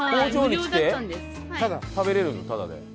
食べれるの？タダで。